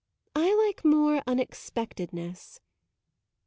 "I like more unexpectedness."